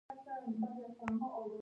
انارشیستانو، تاسې ولې عقل نه لرئ؟